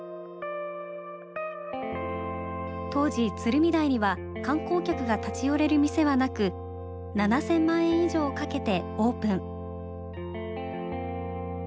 当時鶴見台には観光客が立ち寄れる店はなく７，０００万円以上をかけてオープン。